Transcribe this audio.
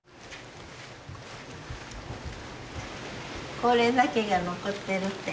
これだけが残ってるって。